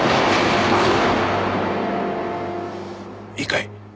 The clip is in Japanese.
いいかい？